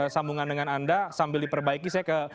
sambungan dengan anda sambil diperbaiki saya ke